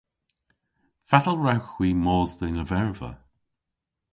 Fatel wrewgh hwi mos dhe'n lyverva?